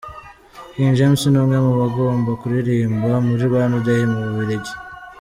King James ni umwe mu bagomba kuririmba muri Rwanda Day mu Bubiligi.